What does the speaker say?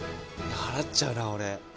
払っちゃうな俺。